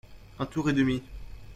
Un tour et demi.